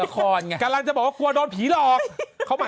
กำลังจะบอกว่ากลัวโดนผีเราผม